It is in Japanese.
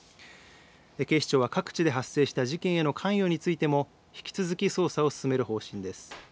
警視庁は各地で発生した事件への関与についても引き続き捜査を進める方針です。